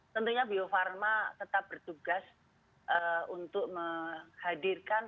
tentunya bio farma tetap bertugas untuk menghadirkan